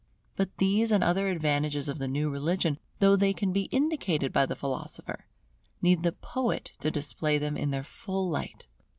But these and other advantages of the new religion, though they can be indicated by the philosopher, need the poet to display them in their full light.